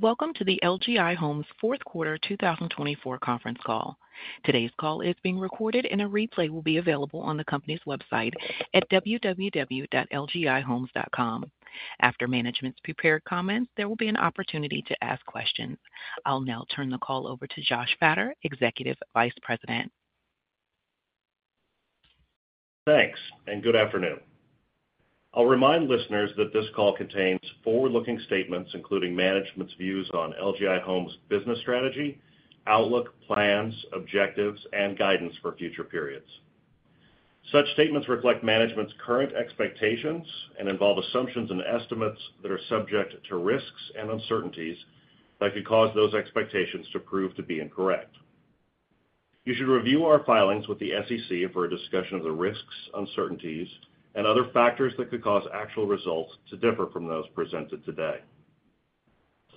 Welcome to the LGI Homes Q4 2024 conference call. Today's call is being recorded, and a replay will be available on the company's website at www.lgihomes.com. After management's prepared comments, there will be an opportunity to ask questions. I'll now turn the call over to Josh Fattor, Executive Vice President. Thanks, and good afternoon. I'll remind listeners that this call contains forward-looking statements, including management's views on LGI Homes' business strategy, outlook, plans, objectives, and guidance for future periods. Such statements reflect management's current expectations and involve assumptions and estimates that are subject to risks and uncertainties that could cause those expectations to prove to be incorrect. You should review our filings with the SEC for a discussion of the risks, uncertainties, and other factors that could cause actual results to differ from those presented today.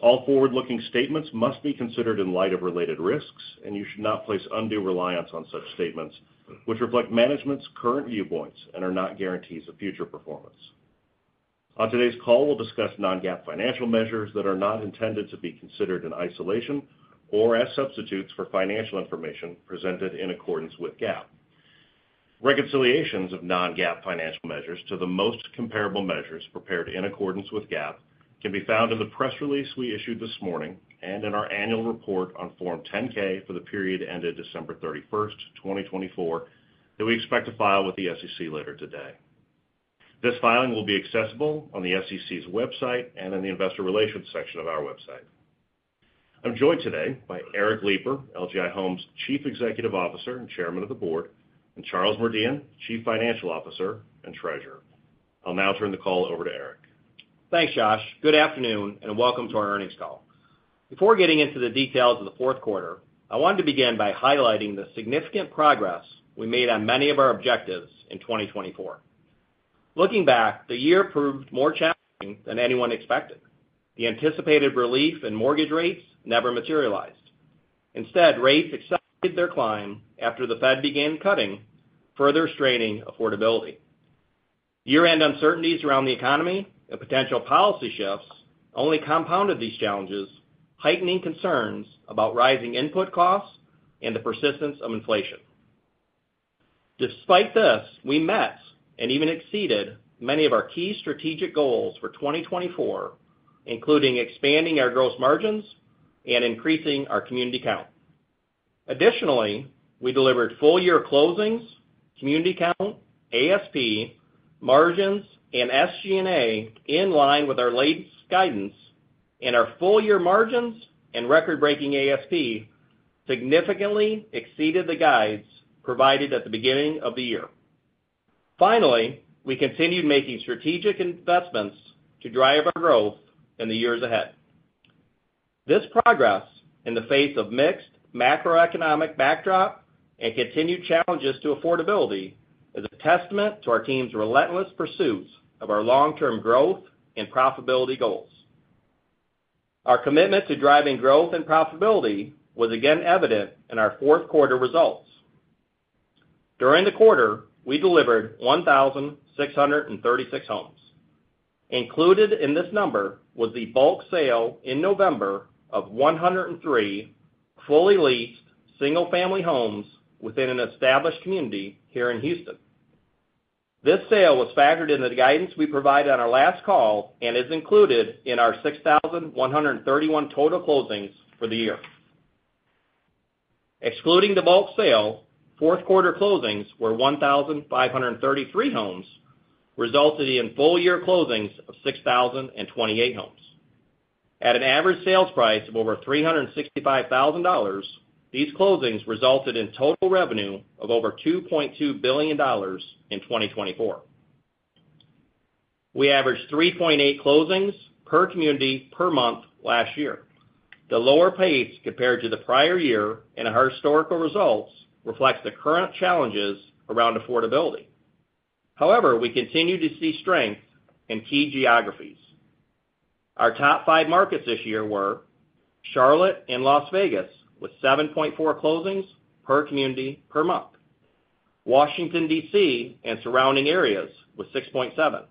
All forward-looking statements must be considered in light of related risks, and you should not place undue reliance on such statements, which reflect management's current viewpoints and are not guarantees of future performance. On today's call, we'll discuss non-GAAP financial measures that are not intended to be considered in isolation or as substitutes for financial information presented in accordance with GAAP. Reconciliations of non-GAAP financial measures to the most comparable measures prepared in accordance with GAAP can be found in the press release we issued this morning and in our annual report on Form 10-K for the period ended December 31st, 2024, that we expect to file with the SEC later today. This filing will be accessible on the SEC's website and in the investor relations section of our website. I'm joined today by Eric Lipar, LGI Homes' Chief Executive Officer and Chairman of the Board, and Charles Merdian, Chief Financial Officer and Treasurer. I'll now turn the call over to Eric. Thanks, Josh. Good afternoon, and welcome to our earnings call. Before getting into the details of the Q4, I wanted to begin by highlighting the significant progress we made on many of our objectives in 2024. Looking back, the year proved more challenging than anyone expected. The anticipated relief in mortgage rates never materialized. Instead, rates accelerated their climb after the Fed began cutting, further straining affordability. Year-end uncertainties around the economy and potential policy shifts only compounded these challenges, heightening concerns about rising input costs and the persistence of inflation. Despite this, we met and even exceeded many of our key strategic goals for 2024, including expanding our gross margins and increasing our community count. Additionally, we delivered full-year closings, community count, ASP, margins, and SG&A in line with our latest guidance, and our full-year margins and record-breaking ASP significantly exceeded the guides provided at the beginning of the year. Finally, we continued making strategic investments to drive our growth in the years ahead. This progress, in the face of mixed macroeconomic backdrop and continued challenges to affordability, is a testament to our team's relentless pursuit of our long-term growth and profitability goals. Our commitment to driving growth and profitability was again evident in our Q4 results. During the quarter, we delivered 1,636 homes. Included in this number was the bulk sale in November of 103 fully leased single-family homes within an established community here in Houston. This sale was factored in the guidance we provided on our last call and is included in our 6,131 total closings for the year. Excluding the bulk sale, Q4 closings were 1,533 homes, resulting in full-year closings of 6,028 homes. At an average sales price of over $365,000, these closings resulted in total revenue of over $2.2 billion in 2024. We averaged 3.8 closings per community per month last year. The lower pace compared to the prior year in our historical results reflects the current challenges around affordability. However, we continue to see strength in key geographies. Our top five markets this year were Charlotte and Las Vegas with 7.4 closings per community per month, Washington, D.C., and surrounding areas with 6.7,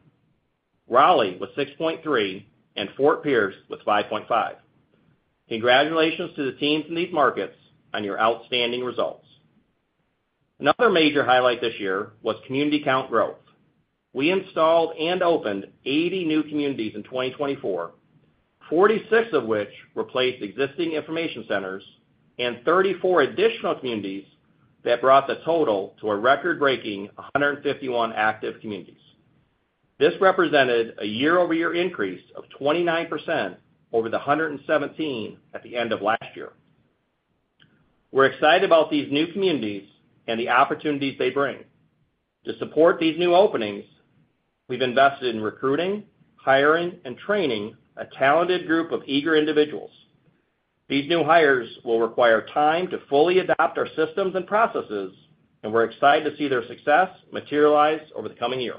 Raleigh with 6.3, and Fort Pierce with 5.5. Congratulations to the teams in these markets on your outstanding results. Another major highlight this year was community count growth. We installed and opened 80 new communities in 2024, 46 of which replaced existing information centers, and 34 additional communities that brought the total to a record-breaking 151 active communities. This represented a year-over-year increase of 29% over the 117 at the end of last year. We're excited about these new communities and the opportunities they bring. To support these new openings, we've invested in recruiting, hiring, and training a talented group of eager individuals. These new hires will require time to fully adopt our systems and processes, and we're excited to see their success materialize over the coming year.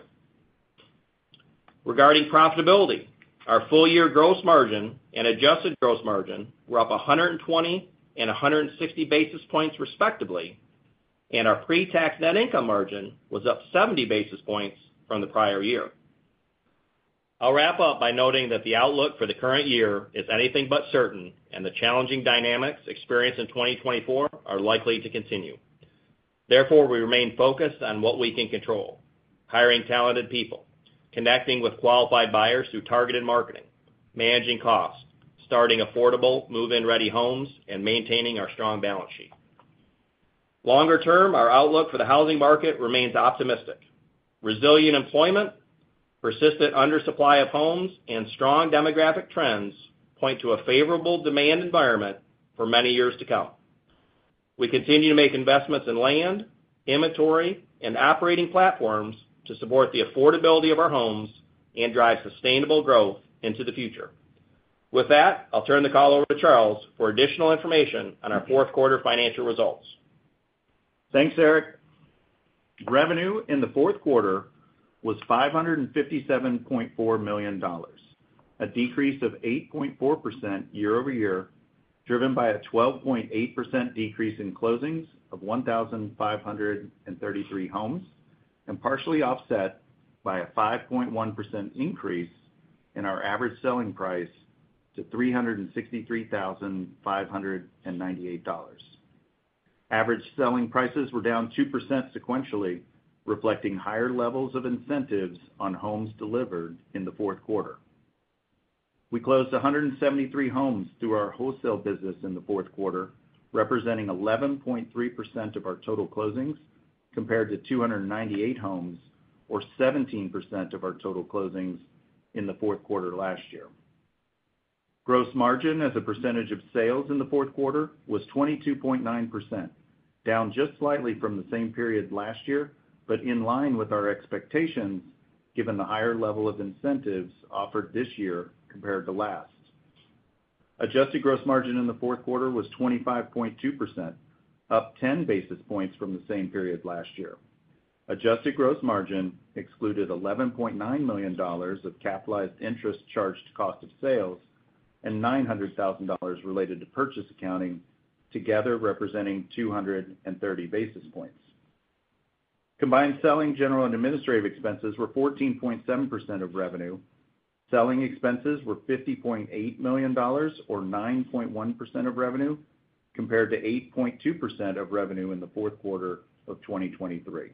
Regarding profitability, our full-year gross margin and adjusted gross margin were up 120 and 160 basis points respectively, and our pre-tax net income margin was up 70 basis points from the prior year. I'll wrap up by noting that the outlook for the current year is anything but certain, and the challenging dynamics experienced in 2024 are likely to continue. Therefore, we remain focused on what we can control: hiring talented people, connecting with qualified buyers through targeted marketing, managing costs, start affordable, move-in ready homes, and maintaining our strong balance sheet. Longer term, our outlook for the housing market remains optimistic. Resilient employment, persistent undersupply of homes, and strong demographic trends point to a favorable demand environment for many years to come. We continue to make investments in land, inventory, and operating platforms to support the affordability of our homes and drive sustainable growth into the future. With that, I'll turn the call over to Charles for additional information on our Q4 financial results. Thanks, Eric. Revenue in the Q4 was $557.4 million, a decrease of 8.4% year-over-year, driven by a 12.8% decrease in closings of 1,533 homes and partially offset by a 5.1% increase in our average selling price to $363,598. Average selling prices were down 2% sequentially, reflecting higher levels of incentives on homes delivered in the Q4. We closed 173 homes through our wholesale business in the Q4, representing 11.3% of our total closings compared to 298 homes, or 17% of our total closings in the Q4 last year. Gross margin as a percentage of sales in the Q4 was 22.9%, down just slightly from the same period last year, but in line with our expectations given the higher level of incentives offered this year compared to last. Adjusted gross margin in the Q4 was 25.2%, up 10 basis points from the same period last year. Adjusted gross margin excluded $11.9 million of capitalized interest charged to cost of sales and $900,000 related to purchase accounting, together representing 230 basis points. Combined selling general and administrative expenses were 14.7% of revenue. Selling expenses were $50.8 million, or 9.1% of revenue, compared to 8.2% of revenue in the Q4 of 2023.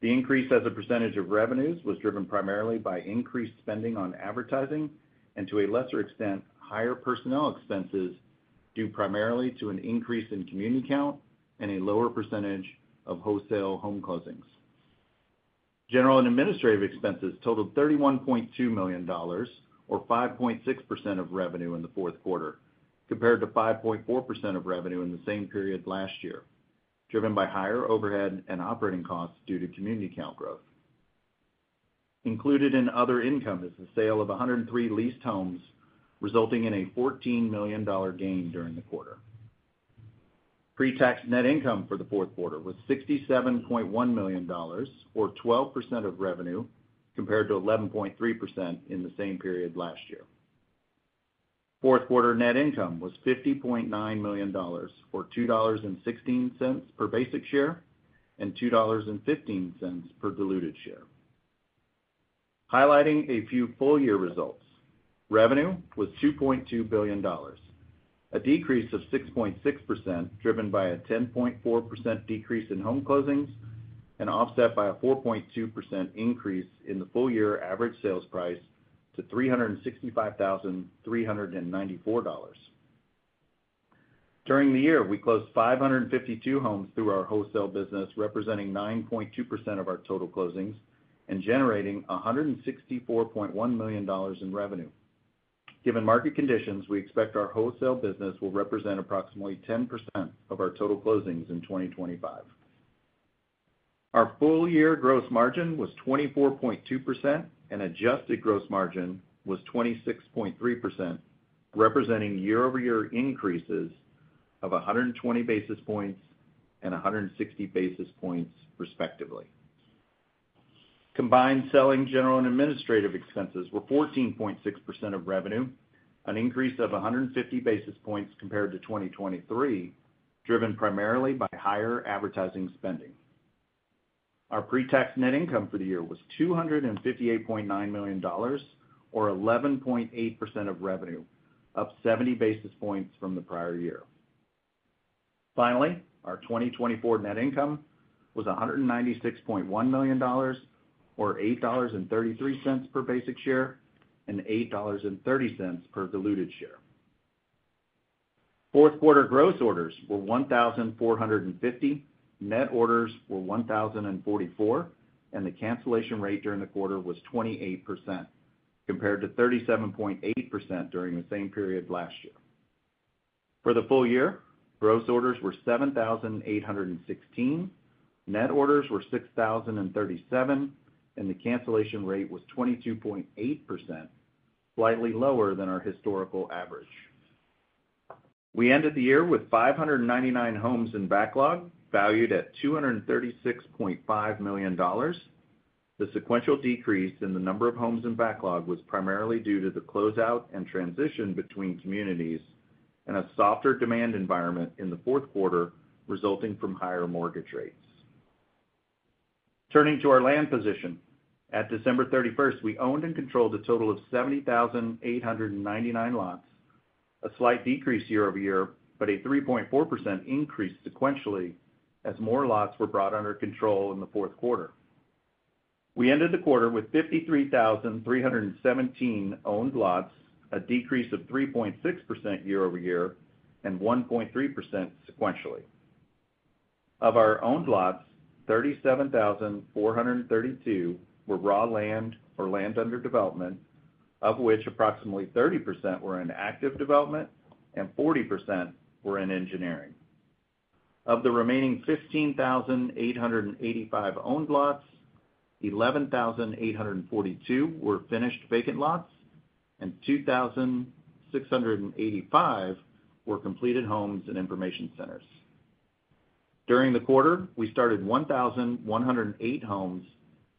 The increase as a percentage of revenues was driven primarily by increased spending on advertising and, to a lesser extent, higher personnel expenses due primarily to an increase in community count and a lower percentage of wholesale home closings. General and administrative expenses totaled $31.2 million, or 5.6% of revenue in the Q4, compared to 5.4% of revenue in the same period last year, driven by higher overhead and operating costs due to community count growth. Included in other income is the sale of 103 leased homes, resulting in a $14 million gain during the quarter. Pre-tax net income for the Q4 was $67.1 million, or 12% of revenue, compared to 11.3% in the same period last year. Q4 net income was $50.9 million, or $2.16 per basic share and $2.15 per diluted share. Highlighting a few full-year results, revenue was $2.2 billion, a decrease of 6.6% driven by a 10.4% decrease in home closings and offset by a 4.2% increase in the full-year average sales price to $365,394. During the year, we closed 552 homes through our wholesale business, representing 9.2% of our total closings and generating $164.1 million in revenue. Given market conditions, we expect our wholesale business will represent approximately 10% of our total closings in 2025. Our full-year gross margin was 24.2%, and adjusted gross margin was 26.3%, representing year-over-year increases of 120 basis points and 160 basis points respectively. Combined selling, general, and administrative expenses were 14.6% of revenue, an increase of 150 basis points compared to 2023, driven primarily by higher advertising spending. Our pre-tax net income for the year was $258.9 million, or 11.8% of revenue, up 70 basis points from the prior year. Finally, our 2024 net income was $196.1 million, or $8.33 per basic share and $8.30 per diluted share. Q4 gross orders were 1,450, net orders were 1,044, and the cancellation rate during the quarter was 28% compared to 37.8% during the same period last year. For the full year, gross orders were 7,816, net orders were 6,037, and the cancellation rate was 22.8%, slightly lower than our historical average. We ended the year with 599 homes in backlog valued at $236.5 million. The sequential decrease in the number of homes in backlog was primarily due to the closeout and transition between communities and a softer demand environment in the Q4 resulting from higher mortgage rates. Turning to our land position, at December 31st, we owned and controlled a total of 70,899 lots, a slight decrease year-over-year, but a 3.4% increase sequentially as more lots were brought under control in the Q4. We ended the quarter with 53,317 owned lots, a decrease of 3.6% year-over-year and 1.3% sequentially. Of our owned lots, 37,432 were raw land or land under development, of which approximately 30% were in active development and 40% were in engineering. Of the remaining 15,885 owned lots, 11,842 were finished vacant lots, and 2,685 were completed homes and information centers. During the quarter, we started 1,108 homes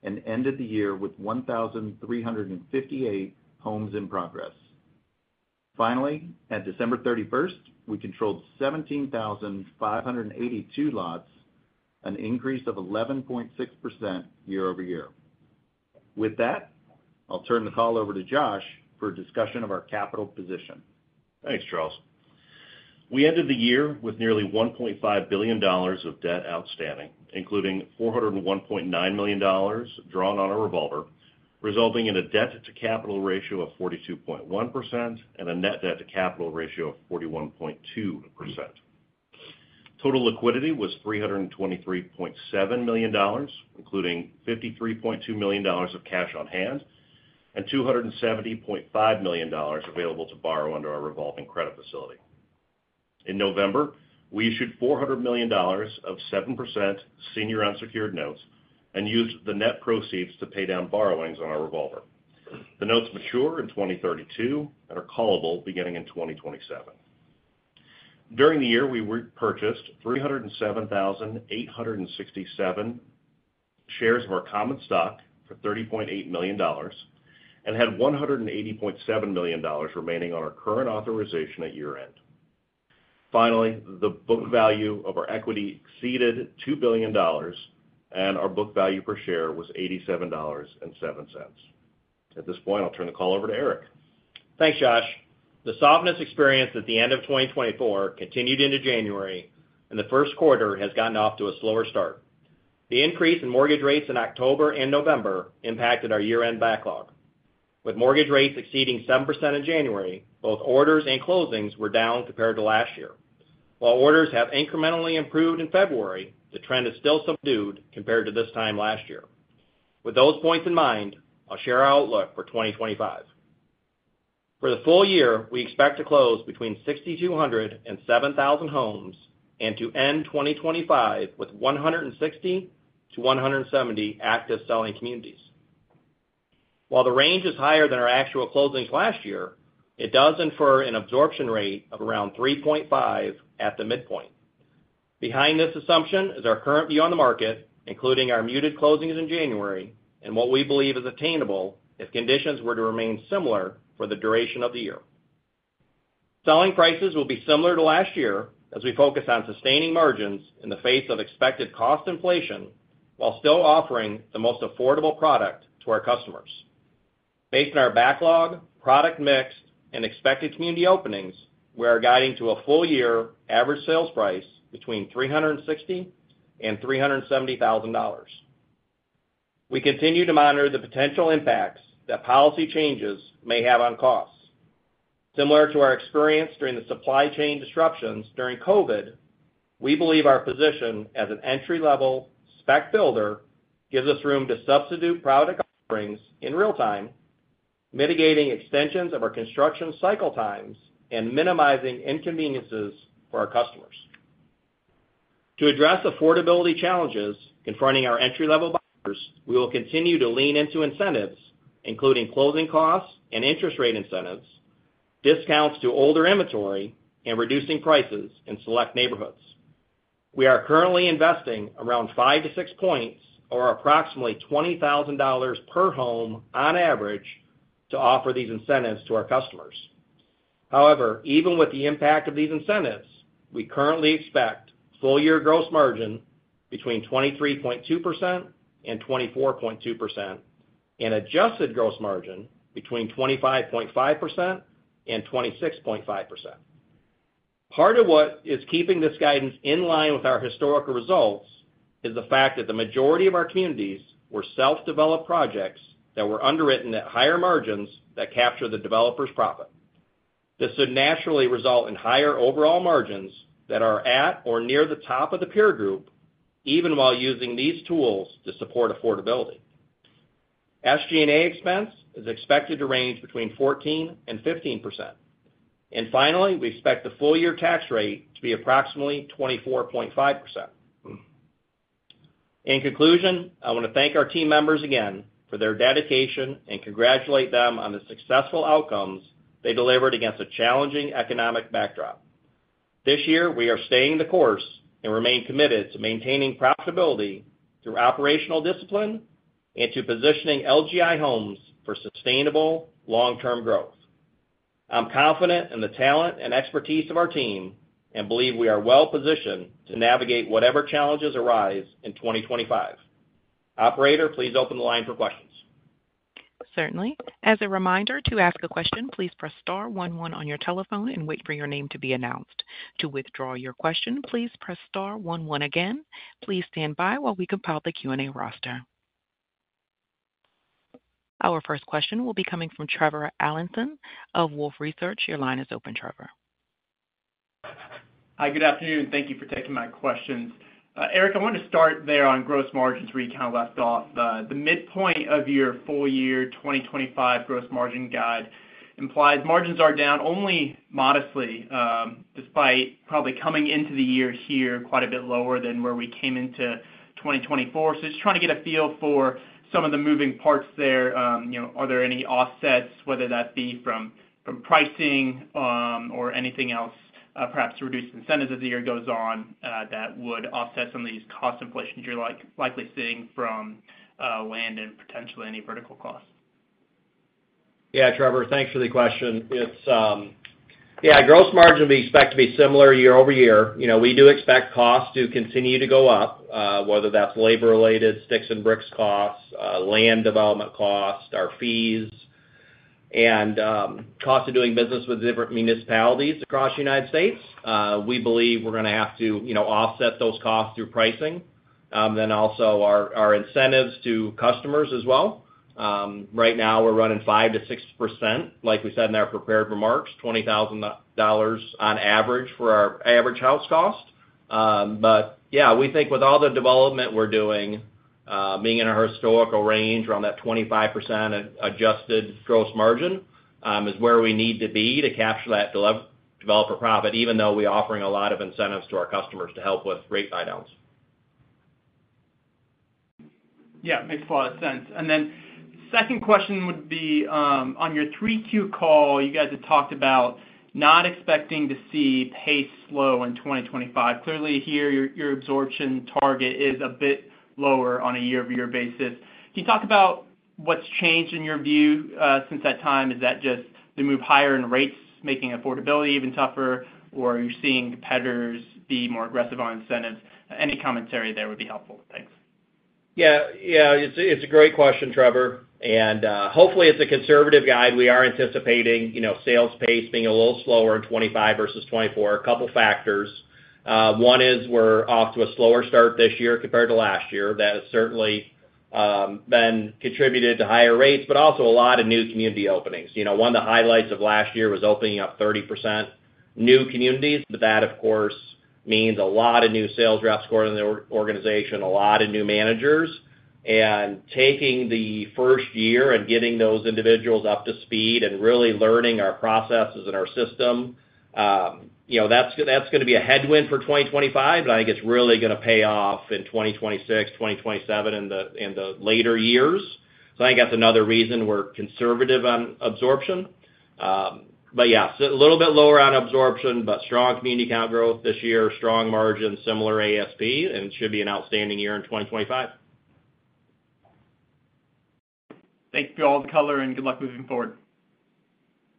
and ended the year with 1,358 homes in progress. Finally, at December 31st, we controlled 17,582 lots, an increase of 11.6% year-over-year. With that, I'll turn the call over to Josh for a discussion of our capital position. Thanks, Charles. We ended the year with nearly $1.5 billion of debt outstanding, including $401.9 million drawn on a revolver, resulting in a debt-to-capital ratio of 42.1% and a net debt-to-capital ratio of 41.2%. Total liquidity was $323.7 million, including $53.2 million of cash on hand and $270.5 million available to borrow under our revolving credit facility. In November, we issued $400 million of 7% senior unsecured notes and used the net proceeds to pay down borrowings on our revolver. The notes mature in 2032 and are callable beginning in 2027. During the year, we repurchased 307,867 shares of our common stock for $30.8 million and had $180.7 million remaining on our current authorization at year-end. Finally, the book value of our equity exceeded $2 billion, and our book value per share was $87.07. At this point, I'll turn the call over to Eric. Thanks, Josh. The softness experienced at the end of 2024 continued into January, and the Q1 has gotten off to a slower start. The increase in mortgage rates in October and November impacted our year-end backlog. With mortgage rates exceeding 7% in January, both orders and closings were down compared to last year. While orders have incrementally improved in February, the trend is still subdued compared to this time last year. With those points in mind, I'll share our outlook for 2025. For the full year, we expect to close between 6,200 to 7,000 homes and to end 2025 with 160 to 170 active selling communities. While the range is higher than our actual closings last year, it does infer an absorption rate of around 3.5 at the midpoint. Behind this assumption is our current view on the market, including our muted closings in January and what we believe is attainable if conditions were to remain similar for the duration of the year. Selling prices will be similar to last year as we focus on sustaining margins in the face of expected cost inflation while still offering the most affordable product to our customers. Based on our backlog, product mix, and expected community openings, we are guiding to a full-year average sales price between $360,000 and $370,000. We continue to monitor the potential impacts that policy changes may have on costs. Similar to our experience during the supply chain disruptions during COVID, we believe our position as an entry-level spec builder gives us room to substitute product offerings in real time, mitigating extensions of our construction cycle times and minimizing inconveniences for our customers. To address affordability challenges confronting our entry-level buyers, we will continue to lean into incentives, including closing costs and interest rate incentives, discounts to older inventory, and reducing prices in select neighborhoods. We are currently investing around 5-6 points or approximately $20,000 per home on average to offer these incentives to our customers. However, even with the impact of these incentives, we currently expect full-year gross margin between 23.2% to 24.2% and adjusted gross margin between 25.5% and 26.5%. Part of what is keeping this guidance in line with our historical results is the fact that the majority of our communities were self-developed projects that were underwritten at higher margins that capture the developer's profit. This should naturally result in higher overall margins that are at or near the top of the peer group, even while using these tools to support affordability. SG&A expense is expected to range between 14% and 15%, and finally, we expect the full-year tax rate to be approximately 24.5%. In conclusion, I want to thank our team members again for their dedication and congratulate them on the successful outcomes they delivered against a challenging economic backdrop. This year, we are staying the course and remain committed to maintaining profitability through operational discipline and to positioning LGI Homes for sustainable long-term growth. I'm confident in the talent and expertise of our team and believe we are well-positioned to navigate whatever challenges arise in 2025. Operator, please open the line for questions. Certainly. As a reminder, to ask a question, please press star one one on your telephone and wait for your name to be announced. To withdraw your question, please press star one one again. Please stand by while we compile the Q&A roster. Our first question will be coming from Trevor Allinson of Wolfe Research. Your line is open, Trevor. Hi, good afternoon, and thank you for taking my questions. Eric, I wanted to start there on gross margins where you kind of left off. The midpoint of your full-year 2025 gross margin guide implies margins are down only modestly, despite probably coming into the year here quite a bit lower than where we came into 2024. So just trying to get a feel for some of the moving parts there. Are there any offsets, whether that be from pricing or anything else, perhaps reduced incentives as the year goes on that would offset some of these cost inflations you're likely seeing from land and potentially any vertical costs? Yeah, Trevor, thanks for the question. Yeah, gross margin we expect to be similar year-over-year. We do expect costs to continue to go up, whether that's labor-related, sticks and bricks costs, land development costs, our fees, and costs of doing business with different municipalities across the United States. We believe we're going to have to offset those costs through pricing, then also our incentives to customers as well. Right now, we're running 5% to 6%, like we said in our prepared remarks, $20,000 on average for our average house cost. But yeah, we think with all the development we're doing, being in our historical range around that 25% adjusted gross margin is where we need to be to capture that developer profit, even though we're offering a lot of incentives to our customers to help with rate buy-downs. Yeah, makes a lot of sense. And then second question would be on your Q3 call, you guys had talked about not expecting to see pace slow in 2025. Clearly, here your absorption target is a bit lower on a year-over-year basis. Can you talk about what's changed in your view since that time? Is that just the move higher in rates making affordability even tougher, or are you seeing competitors be more aggressive on incentives? Any commentary there would be helpful. Thanks. Yeah, yeah, it's a great question, Trevor, and hopefully, it's a conservative guide. We are anticipating sales pace being a little slower in 2025 versus 2024, a couple of factors. One is we're off to a slower start this year compared to last year. That has certainly been contributed to higher rates, but also a lot of new community openings. One of the highlights of last year was opening up 30% new communities, but that, of course, means a lot of new sales reps going into the organization, a lot of new managers, and taking the first year and getting those individuals up to speed and really learning our processes and our system, that's going to be a headwind for 2025, but I think it's really going to pay off in 2026, 2027, and the later years. I think that's another reason we're conservative on absorption. But yeah, a little bit lower on absorption, but strong community count growth this year, strong margins, similar ASP, and it should be an outstanding year in 2025. Thank you for all the color and good luck moving forward.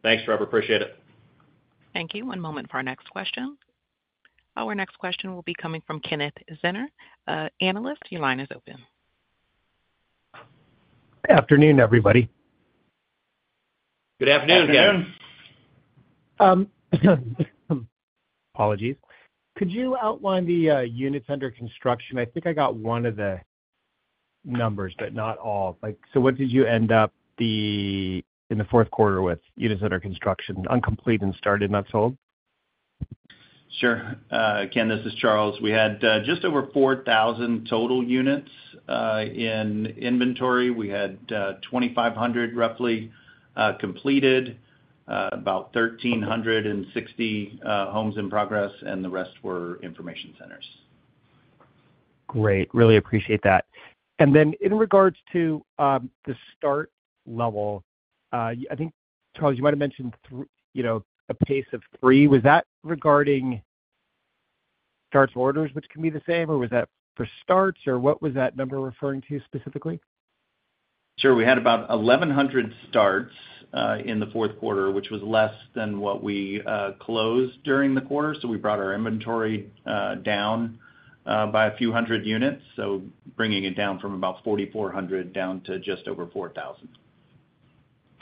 Thanks, Trevor. Appreciate it. Thank you. One moment for our next question. Our next question will be coming from Kenneth Zener, analyst. Your line is open. Good afternoon, everybody. Good afternoon, again. Good afternoon. Apologies. Could you outline the units under construction? I think I got one of the numbers, but not all. So what did you end up in the Q4 with units under construction, uncompleted and started, not sold? Sure. Ken, this is Charles. We had just over 4,000 total units in inventory. We had 2,500 roughly completed, about 1,360 homes in progress, and the rest were Information Centers. Great. Really appreciate that. And then in regards to the start level, I think, Charles, you might have mentioned a pace of three. Was that regarding starts orders, which can be the same, or was that for starts, or what was that number referring to specifically? Sure. We had about 1,100 starts in the Q4, which was less than what we closed during the quarter. So we brought our inventory down by a few hundred units, so bringing it down from about 4,400 down to just over 4,000.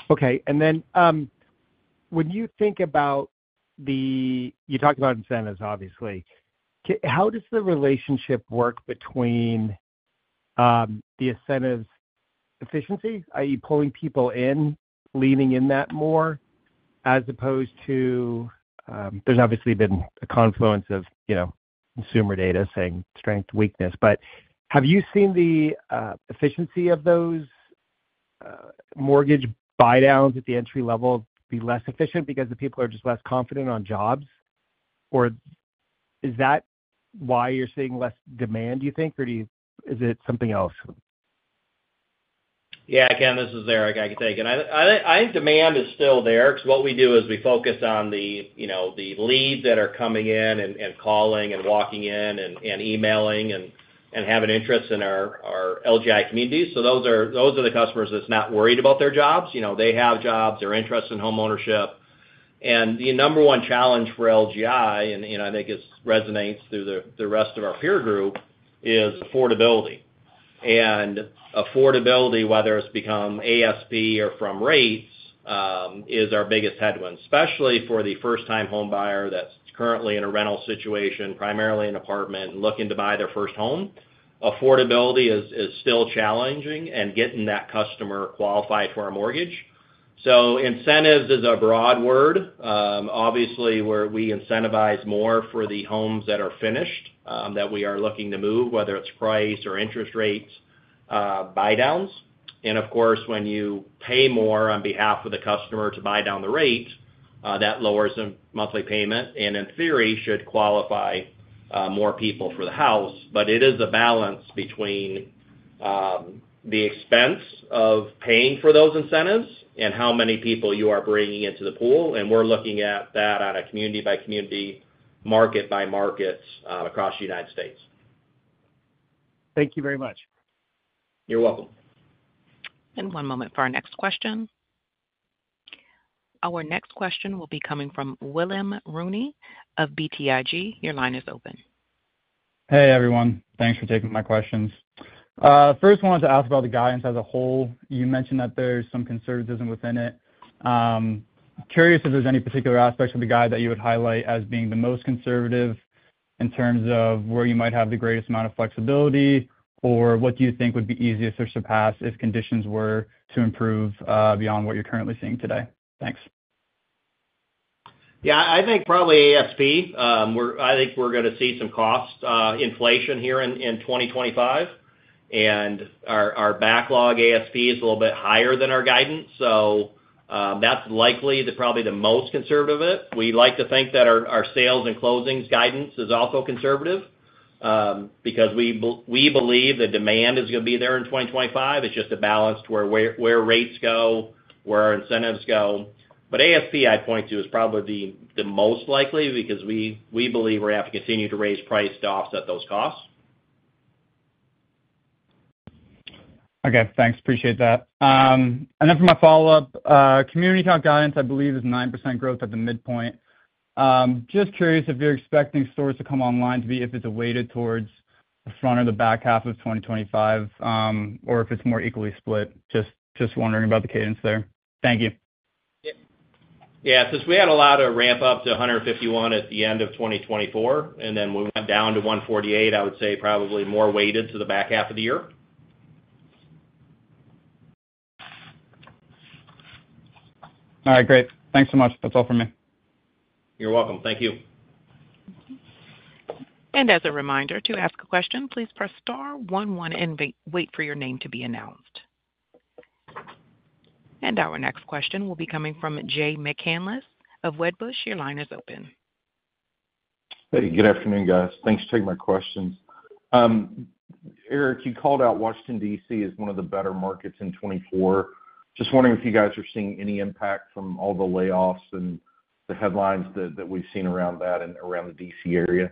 Okay. And then when you think about the, you talked about incentives, obviously. How does the relationship work between the incentives efficiency, i.e., pulling people in, leaning in that more, as opposed to, there's obviously been a confluence of consumer data saying strength, weakness. But have you seen the efficiency of those mortgage buy-downs at the entry level be less efficient because the people are just less confident on jobs? Or is that why you're seeing less demand, you think, or is it something else? Yeah, again, this is Eric. I can take it. I think demand is still there because what we do is we focus on the leads that are coming in and calling and walking in and emailing and having interest in our LGI communities. So those are the customers that's not worried about their jobs. They have jobs. They're interested in homeownership. And the number one challenge for LGI, and I think it resonates through the rest of our peer group, is affordability. And affordability, whether it's from ASP or from rates, is our biggest headwind, especially for the first-time home buyer that's currently in a rental situation, primarily an apartment, and looking to buy their first home. Affordability is still challenging and getting that customer qualified for a mortgage. So incentives is a broad word. Obviously, we incentivize more for the homes that are finished that we are looking to move, whether it's price or interest rate buy-downs. And of course, when you pay more on behalf of the customer to buy down the rate, that lowers the monthly payment and, in theory, should qualify more people for the house. But it is a balance between the expense of paying for those incentives and how many people you are bringing into the pool. And we're looking at that on a community-by-community, market-by-market across the United States. Thank you very much. You're welcome. One moment for our next question. Our next question will be coming from Willem Rooney of BTIG. Your line is open. Hey, everyone. Thanks for taking my questions. First, I wanted to ask about the guidance as a whole. You mentioned that there's some conservatism within it. Curious if there's any particular aspects of the guide that you would highlight as being the most conservative in terms of where you might have the greatest amount of flexibility, or what do you think would be easiest to surpass if conditions were to improve beyond what you're currently seeing today? Thanks. Yeah, I think probably ASP. I think we're going to see some cost inflation here in 2025, and our backlog ASP is a little bit higher than our guidance, so that's likely probably the most conservative of it. We like to think that our sales and closings guidance is also conservative because we believe the demand is going to be there in 2025. It's just a balance to where rates go, where our incentives go, but ASP, I'd point to, is probably the most likely because we believe we're going to have to continue to raise price to offset those costs. Okay. Thanks. Appreciate that. And then for my follow-up, community count guidance, I believe, is 9% growth at the midpoint. Just curious if you're expecting those to come online to be weighted towards the front or the back half of 2025, or if it's more equally split. Just wondering about the cadence there. Thank you. Yeah. Since we had a lot of ramp-up to 151 at the end of 2024, and then we went down to 148, I would say probably more weighted to the back half of the year. All right. Great. Thanks so much. That's all from me. You're welcome. Thank you. As a reminder to ask a question, please press star one one and wait for your name to be announced. Our next question will be coming from Jay McCanless of Wedbush. Your line is open. Hey, good afternoon, guys. Thanks for taking my questions. Eric, you called out Washington, D.C. as one of the better markets in 2024. Just wondering if you guys are seeing any impact from all the layoffs and the headlines that we've seen around that and around the D.C. area?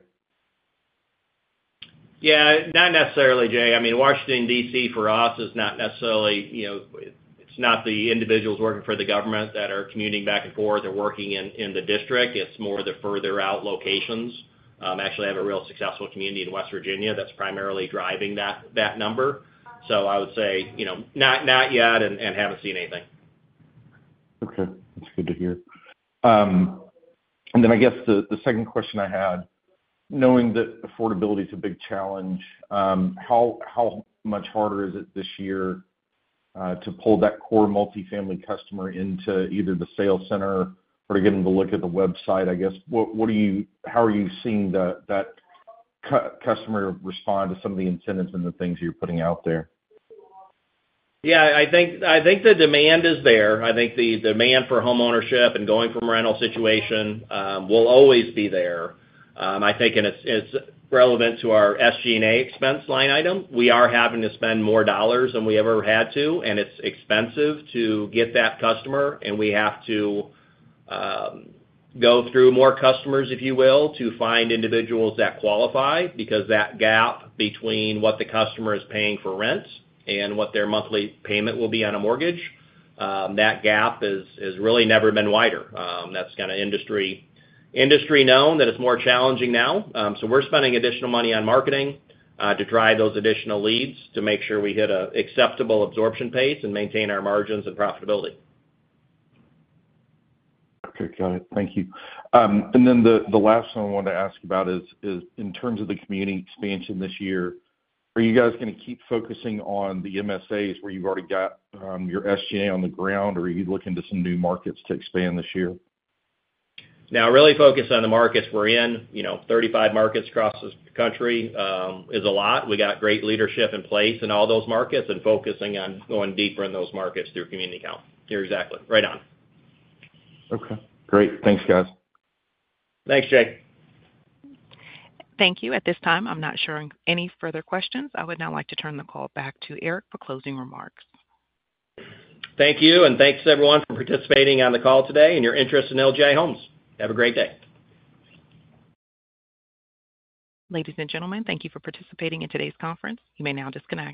Yeah, not necessarily, Jay. I mean, Washington, D.C., for us, is not necessarily. It's not the individuals working for the government that are commuting back and forth or working in the district. It's more the further-out locations. Actually, I have a real successful community in West Virginia that's primarily driving that number. So I would say not yet and haven't seen anything. Okay. That's good to hear. And then I guess the second question I had, knowing that affordability is a big challenge, how much harder is it this year to pull that core multifamily customer into either the sales center or to get them to look at the website? I guess, how are you seeing that customer respond to some of the incentives and the things you're putting out there? Yeah, I think the demand is there. I think the demand for homeownership and going from rental situation will always be there. I think it's relevant to our SG&A expense line item. We are having to spend more dollars than we ever had to, and it's expensive to get that customer, and we have to go through more customers, if you will, to find individuals that qualify because that gap between what the customer is paying for rent and what their monthly payment will be on a mortgage, that gap has really never been wider. That's kind of industry-known that it's more challenging now, so we're spending additional money on marketing to drive those additional leads to make sure we hit an acceptable absorption pace and maintain our margins and profitability. Okay. Got it. Thank you. And then the last one I wanted to ask about is, in terms of the community expansion this year, are you guys going to keep focusing on the MSAs where you've already got your SG&A on the ground, or are you looking to some new markets to expand this year? Now, really focus on the markets we're in. 35 markets across the country is a lot. We got great leadership in place in all those markets and focusing on going deeper in those markets through community count. You're exactly right on. Okay. Great. Thanks, guys. Thanks, Jay. Thank you. At this time, I'm not hearing any further questions. I would now like to turn the call back to Eric for closing remarks. Thank you, and thanks, everyone, for participating on the call today and your interest in LGI Homes. Have a great day. Ladies and gentlemen, thank you for participating in today's conference. You may now disconnect.